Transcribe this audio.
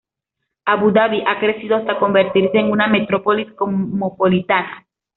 Abu Dabi ha crecido hasta convertirse en una metrópolis cosmopolita.